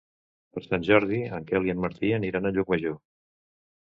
Per Sant Jordi en Quel i en Martí aniran a Llucmajor.